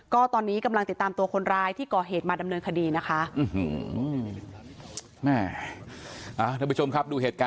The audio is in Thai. ก็ตอนนี้กำลังติดตามตัวคนร้ายที่ก่อเหตุมาดำเนินคดีนะคะ